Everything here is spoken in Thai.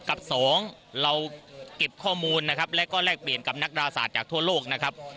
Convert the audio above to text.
กับสองเราเก็บข้อมูลนะครับแล้วก็แลกเปลี่ยนกับนักดาศาสตร์จากทั่วโลกนะครับ